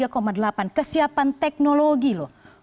kesiapan teknologi loh